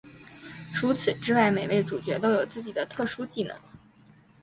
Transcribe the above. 除此之外每位主角都有自己的特殊技能。